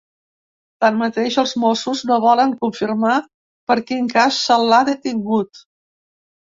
Tanmateix, els mossos no volen confirmar per quin cas se l’ha detingut.